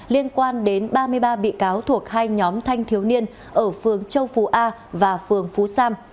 liên quan đến ba mươi ba bị cáo thuộc hai nhóm thanh thiếu niên ở phường châu phú a và phường phú sam